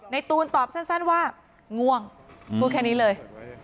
ตูนตอบสั้นว่าง่วงพูดแค่นี้เลย